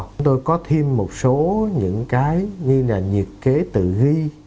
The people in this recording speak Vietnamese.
chúng tôi có thêm một số những cái như là nhiệt kế tự ghi